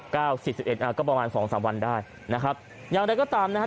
สิบสิบเอ็ดอ่าก็ประมาณสองสามวันได้นะครับอย่างไรก็ตามนะฮะ